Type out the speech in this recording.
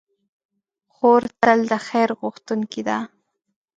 خور تل د خیر غوښتونکې ده.